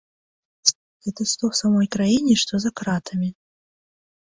Гэта што ў самой краіне, што за кратамі.